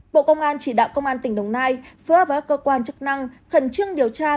bộ công an chỉ đạo công an tỉnh đồng nai phối hợp với các cơ quan chức năng khẩn trương điều tra